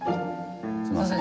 すみません